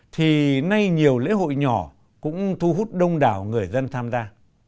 thì nay nhiều lễ hội nhỏ cũng thu hút đông đảo người dân tham gia